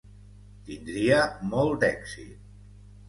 Tindria molt d'èxit.